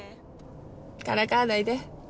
からかわないで。